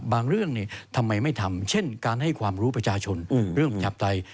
เรื่องทำไมไม่ทำเช่นการให้ความรู้ประชาชนเรื่องประชาปไตย